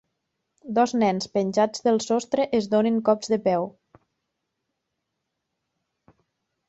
Dos nens penjats del sostre es donen cops de peu.